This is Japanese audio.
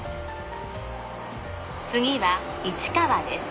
次は市川です。